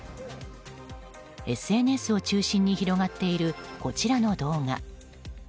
ＳＮＳを中心に広がっているこちらの動画。